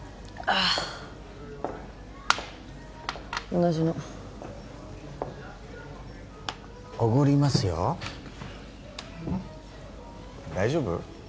同じのおごりますよ大丈夫？